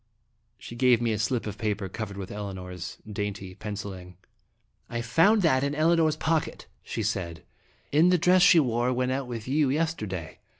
She gave me a slip of paper covered with Elinor's dainty penciling. " I found that in Elinor's pocket," she said, "in the dress she wore when out with you yesterday.